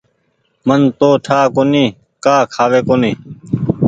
من تو ٺآ ڪونيٚ ڪآ کآوي ڪونيٚ۔